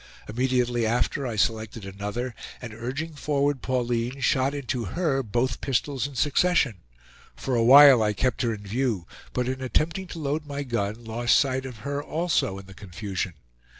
Immediately after I selected another, and urging forward Pauline, shot into her both pistols in succession. For a while I kept her in view, but in attempting to load my gun, lost sight of her also in the confusion.